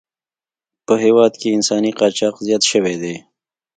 په هېواد کې انساني قاچاق زیات شوی دی.